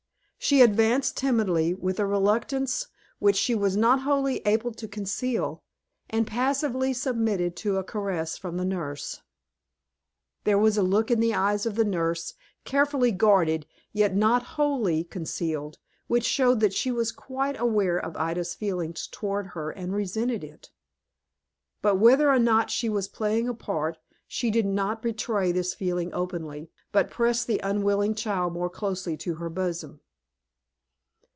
She advanced timidly, with a reluctance which she was not wholly able to conceal, and passively submitted to a caress from the nurse. There was a look in the eyes of the nurse, carefully guarded, yet not wholly concealed, which showed that she was quite aware of Ida's feeling towards her, and resented it. But whether or not she was playing a part, she did not betray this feeling openly, but pressed the unwilling child more closely to her bosom.